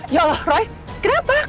ya allah roy kenapa